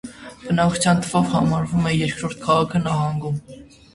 Բնակչության թվով համարվում է երկրորդ քաղաքը նահանգում։